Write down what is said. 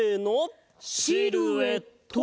シルエット！